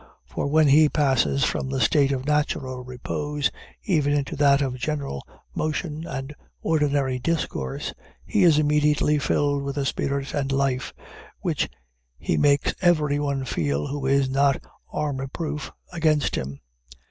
For when he passes from the state of natural repose, even into that of gentle motion and ordinary discourse, he is immediately filled with a spirit and life, which he makes everyone feel who is not armor proof against him.